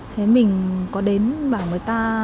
thế mình có đến bảo người ta